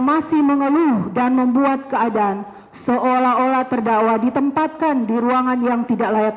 masih mengeluh dan membuat keadaan seolah olah terdakwa ditempatkan di ruangan yang tidak layak